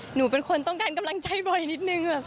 หนูเป็นคนต้องการกำลังใจบ่อยนิดนึง